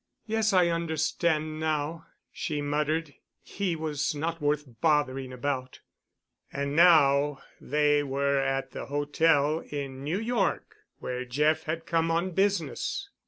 "Yes, I understand now," she muttered. "He was not worth bothering about." And now they were at the hotel in New York, where Jeff had come on business.